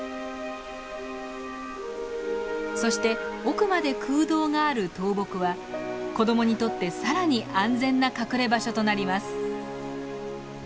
そして奥まで空洞がある倒木は子どもにとってさらに安全な隠れ場所となります。